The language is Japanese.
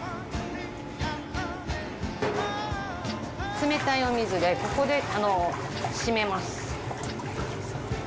冷たいお水でここでしめます。